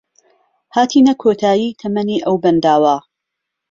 هاتینە کۆتایی تەمەنی ئەو بەنداوە